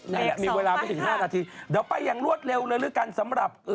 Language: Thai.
นี่แหละมีเวลาไม่ถึง๕นาทีเดี๋ยวไปอย่างรวดเร็วเลยด้วยกันสำหรับ